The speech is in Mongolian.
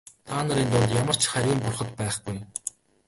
Та нарын дунд ямар ч харийн бурхад байхгүй.